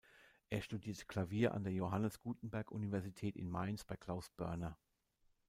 Er studierte Klavier an der Johannes-Gutenberg-Universität in Mainz bei Klaus Börner.